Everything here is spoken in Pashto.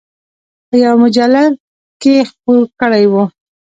په یوه مجلد کې خپور کړی و.